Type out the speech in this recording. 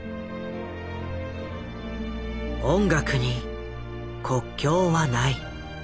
音楽に国境はない。